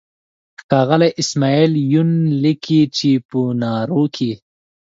ښاغلی اسماعیل یون لیکي چې په نارو کې.